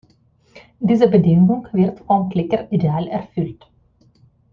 Diese Bedingung wird vom Klicker ideal erfüllt.